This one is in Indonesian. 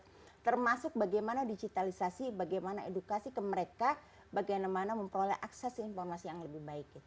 nah termasuk bagaimana digitalisasi bagaimana edukasi ke mereka bagaimana memperoleh akses informasi yang lebih baik